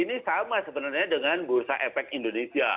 ini sama sebenarnya dengan bursa efek indonesia